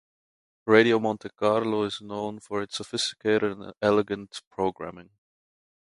Radio Monte Carlo is known for its sophisticated and elegant programming.